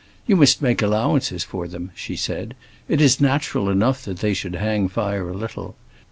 "You must make allowances for them," she said. "It is natural enough that they should hang fire a little.